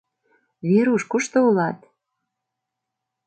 Веруш, кушто улат?